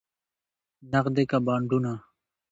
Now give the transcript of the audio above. نغدې که بانډونه؟